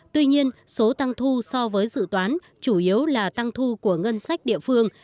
tuy nhiên số tăng thu so với dự toán chủ yếu là tăng thu của ngân sách địa phương